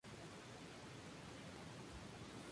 El "Mocho", el cono sud-oriental tiene su parte superior chata.